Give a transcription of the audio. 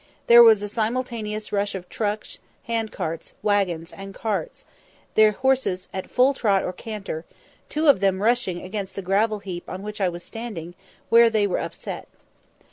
There was a simultaneous rush of trucks, hand carts, waggons, and cars, their horses at full trot or canter, two of them rushing against the gravel heap on which I was standing, where they were upset.